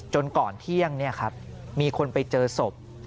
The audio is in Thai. ก่อนเที่ยงมีคนไปเจอศพ